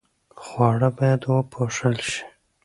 خواړه باید وپوښل شي.